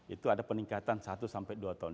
itu ada peningkatan satu sampai dua tahun